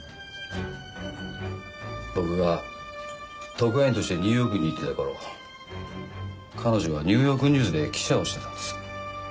僕が特派員としてニューヨークに行ってた頃彼女はニューヨークニューズで記者をしてたんです。